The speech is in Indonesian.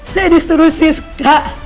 saya disuruh siska